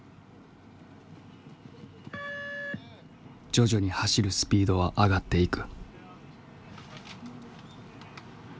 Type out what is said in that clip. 徐々に走るスピードは上がっていく。